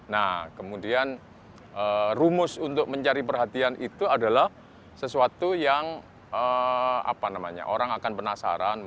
nah kemudian rumus untuk mencari perhatian itu adalah sesuatu yang orang akan penasaran